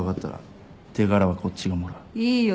いいよ。